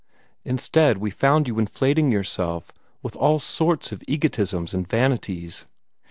Instead, we found you inflating yourself with all sorts of egotisms and vanities.